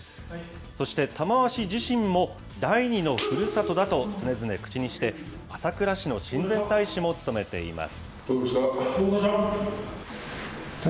そして玉鷲自身も第二のふるさとだと常々口にして、朝倉市の親善大使も務めています。